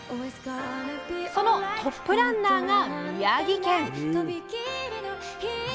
そのトップランナーが宮城県！